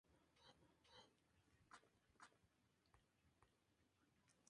Estos a menudo están predeterminados por criterios religiosos o culturales.